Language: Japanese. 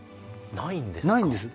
ないんですか。